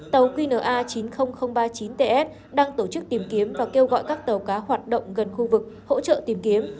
tàu qna chín mươi nghìn ba mươi chín ts đang tổ chức tìm kiếm và kêu gọi các tàu cá hoạt động gần khu vực hỗ trợ tìm kiếm